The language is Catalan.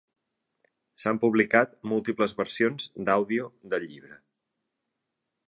S'han publicat múltiples versions d'àudio del llibre.